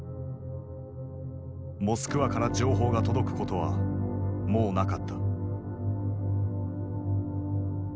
モスクワから情報が届くことはもうなかった。